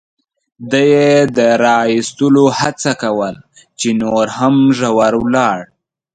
ده یې د را اېستلو هڅه کول، چې نور هم ژور ولاړ.